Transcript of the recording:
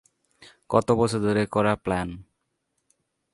কত বছর ধরে করা প্ল্যান!